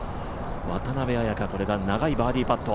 渡邉彩香、これが長いバーディーパット。